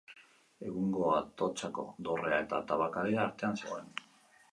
Egungo Atotxako Dorrea eta Tabakalera artean zegoen.